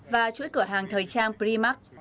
và chuỗi cửa hàng thời trang primark